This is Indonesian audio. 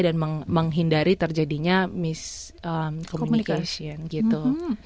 dan menghindari terjadinya miscommunication gitu